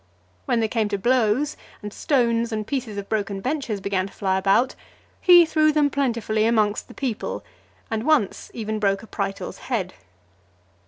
When they came to blows, and stones and pieces of broken benches began to fly about, he threw them plentifully amongst the people, and once even broke a praetor's head.